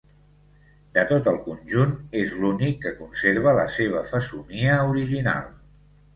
De tot el conjunt és l'únic que conserva la seva fesomia original.